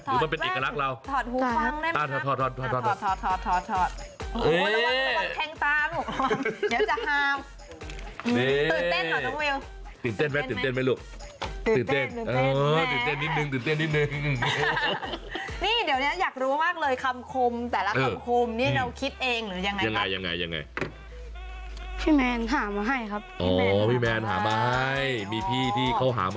ถอดแว่นถอดหูฟังได้มั้ยครับ